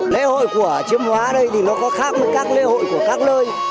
lễ hội của chiếm hóa đây thì nó có khác với các lễ hội của các lơi